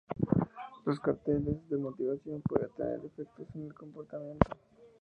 Los carteles de motivación puede tener efectos en el comportamiento.